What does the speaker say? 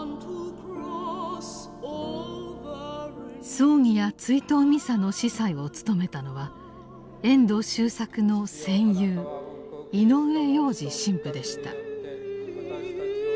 葬儀や追悼ミサの司祭を務めたのは遠藤周作の「戦友」井上洋治神父でした。